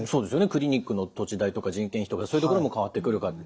クリニックの土地代とか人件費とかそういうところも変わってくるかと。